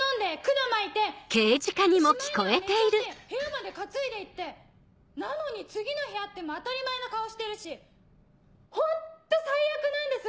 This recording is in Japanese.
・しまいには寝ちゃって部屋まで担いで行ってなのに次の日会っても当たり前の顔してるし・・ホント最悪なんです！